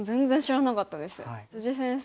先生